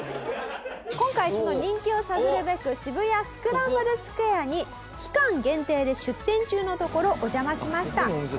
今回その人気を探るべく渋谷スクランブルスクエアに期間限定で出店中のところお邪魔しました。